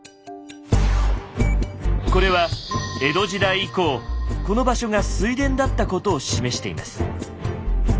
これは江戸時代以降この場所が水田だったことを示しています。